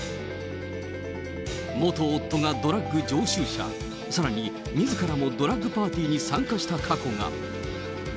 元夫がドラッグ常習者、さらにみずからもドラッグパーティーに参加した過去が。